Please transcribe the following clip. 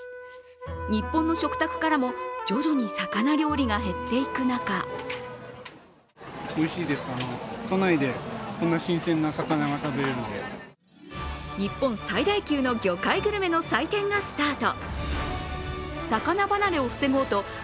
日本の食卓からも徐々に魚料理が減っていく中日本最大級の魚介グルメの祭典がスタート。